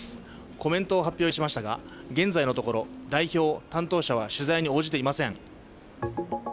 コメントを発表しましたが、現在のところ代表、担当者は取材に応じていません。